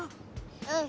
うん。